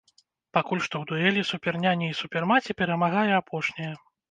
Пакуль што ў дуэлі суперняні і супермаці перамагае апошняя.